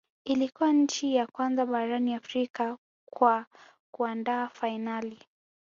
Ilikuwa nchi ya kwanza barani Afrika kwa kuandaa fainali